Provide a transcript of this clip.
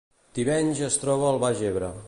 Tivenys es troba al Baix Ebre